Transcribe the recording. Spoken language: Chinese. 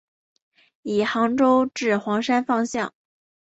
以杭州至黄山方向。